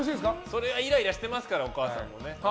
それはイライラしてますからお母さんは。